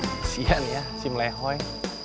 kesian ya si melehoi